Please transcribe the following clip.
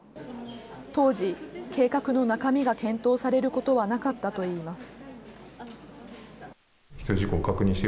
当時、計画の中身が検討されることはなかったといいます。